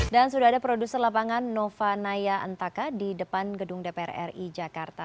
dan sudah ada produser lapangan nova naya entaka di depan gedung dpr ri jakarta